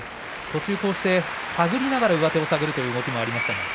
途中、手繰りながら上手を探るという動きもありました。